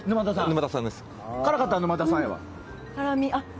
辛かったら沼田さんやわ。